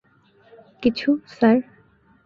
কিছু, স্যার?